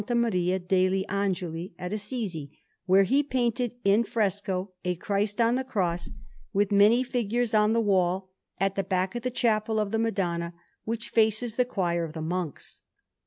Maria degli Angeli at Assisi, where he painted in fresco a Christ on the Cross, with many figures, on the wall at the back of the Chapel of the Madonna, which faces the choir of the monks.